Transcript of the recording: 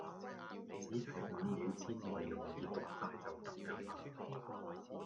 只係五秒之內容易讀哂就得㗎啦